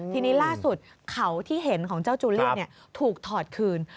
ทีนี้ล่าสุดเขาที่เห็นของเจ้าจูเลียนถูกถอดคืน